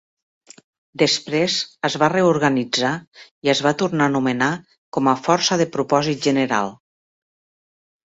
Després es va reorganitzar i es va tornar a anomenar com a força de propòsit general.